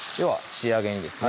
仕上げにですね